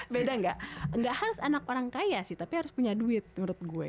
beda gak enggak harus anak orang kaya sih tapi harus punya duit menurut gue